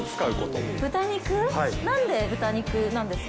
なんで豚肉なんですか？